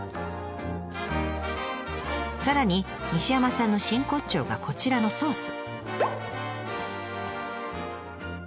さらに西山さんの真骨頂がこちらのソース。